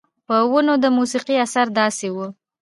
پۀ ونو د موسيقۍ اثر داسې وو